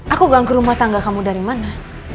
aku ganggu rumah tangga kamu dari mana